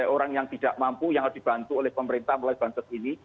orang yang tidak mampu yang harus dibantu oleh pemerintah melalui bansos ini